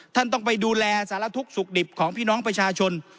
ท่านต้องไปดูแลสารทุกข์สุขดิบของพี่น้องประชาชน